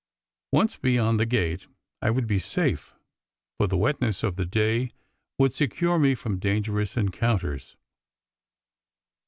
Once beyond the gate I would A WET DAY 267 be safe, for the wetness of the day would secure me from dangerous encounters.